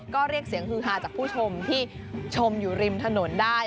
ก็เรียกเสียงฮือฮาจากผู้ชมที่ชมอยู่ริมถนนได้